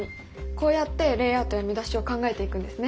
こうやってレイアウトや見出しを考えていくんですね。